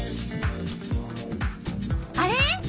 あれ？